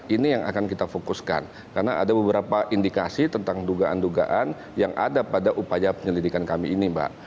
ini yang akan kita fokuskan karena ada beberapa indikasi tentang dugaan dugaan yang ada pada upaya penyelidikan kami ini mbak